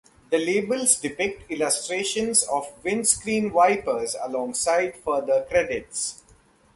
The labels depict illustrations of windscreen wipers alongside further credits.